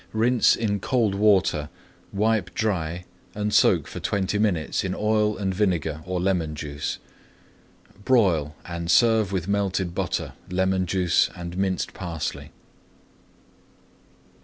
Rinse in cold water, wipe dry, and soak for twenty minutes in oil and vinegar or lemon juice. Broil and serve with melted butter, lemon juice, and minced parsley.